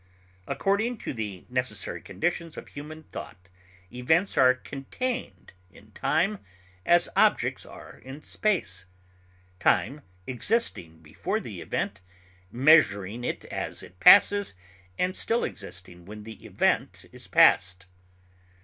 According to the necessary conditions of human thought, events are contained in time as objects are in space, time existing before the event, measuring it as it passes, and still existing when the event is past.